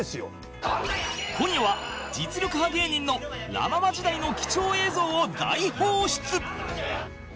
今夜は実力派芸人のラ・ママ時代の貴重映像を大放出